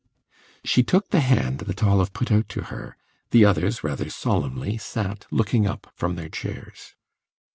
She took the hand that Olive put out to her; the others, rather solemnly, sat looking up from their chairs.